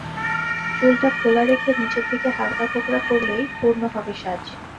চুলটা খোলা রেখে নিচের দিকে হালকা কোঁকড়া করলেই পূর্ণ হবে সাজ।